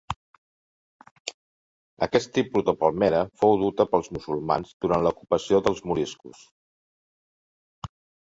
Aquest tipus de palmera fou duta pels musulmans durant l'ocupació dels moriscos.